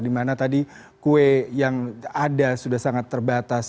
dimana tadi kue yang ada sudah sangat terbatas